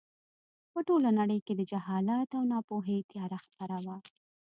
په ټوله نړۍ کې د جهالت او ناپوهۍ تیاره خپره وه.